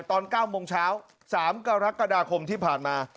ตอน๙โมงเช้า๓กรกฎาคมที่ผ่านมา